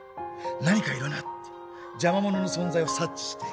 何かいるなって邪魔者の存在を察知して。